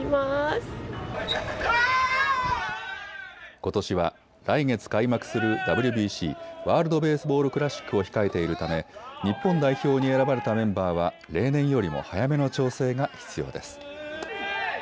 ことしは来月開幕するＷＢＣ・ワールド・ベースボール・クラシックを控えているため日本代表に選ばれたメンバーは例年よりも早めの調整が必要です。